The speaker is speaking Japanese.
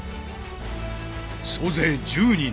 総勢１０人。